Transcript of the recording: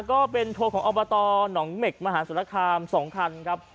ก็เป็นโทรของอบตหนองเหม็กมหาสุรคาม๒คันครับ